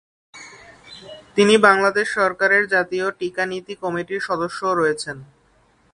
তিনি বাংলাদেশ সরকারের জাতীয় টিকা নীতি কমিটির সদস্যও রয়েছেন।